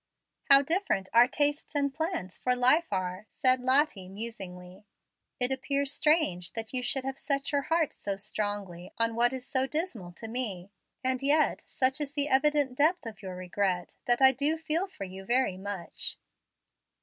"How different our tastes and plans for life are!" said Lottie, musingly. "It appears strange that you should have set your heart so strongly on what is so dismal to me. And yet such is the evident depth of your regret that I do feel for you very much."